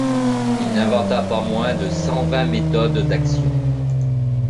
Il n'inventa pas moins de cent vingt méthodes d'action.